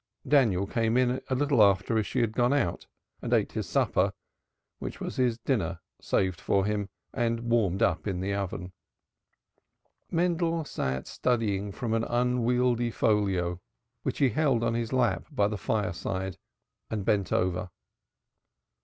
Daniel came in a little after she had gone out, and ate his supper, which was his dinner saved for him and warmed up in the oven. Mendel sat studying from an unwieldy folio which he held on his lap by the fireside and bent over.